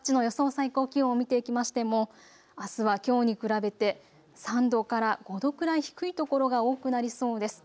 最高気温を見ていきましても、あすはきょうに比べて３度から５度くらい低い所が多くなりそうです。